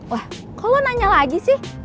wah kok lo nanya lagi sih